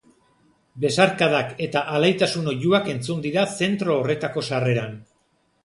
Besarkadak eta alaitasun oihuak entzun dira zentro horretako sarreran.